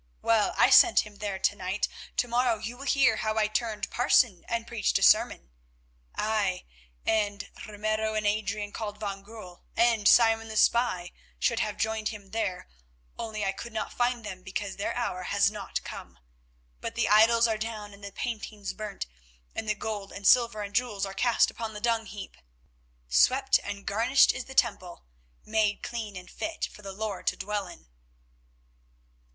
Well, I sent him there to night; to morrow you will hear how I turned parson and preached a sermon—aye, and Ramiro and Adrian called van Goorl, and Simon the spy, should have joined him there, only I could not find them because their hour has not come. But the idols are down and the paintings burnt, and the gold and silver and jewels are cast upon the dung heap. Swept and garnished is the temple, made clean and fit for the Lord to dwell in."